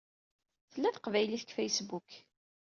Tella teqbaylit deg Facebook.